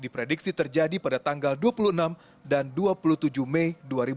diprediksi terjadi pada tanggal dua puluh enam dan dua puluh tujuh mei dua ribu dua puluh